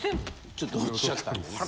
ちょっと落ちちゃったんでね。